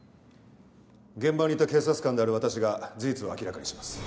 現場にいた警察官である私が事実を明らかにします。